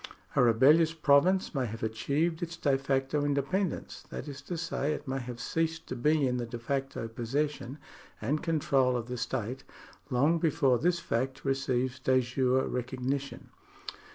A rebellious province may have achieved its de facto independence, that is to say, it may have ceased to be in the de facto possession and control of the state, long before this fact receives de jure recognition.